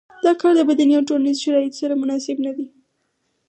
دا کار د بدني او ټولنیزو شرایطو سره مناسب نه دی.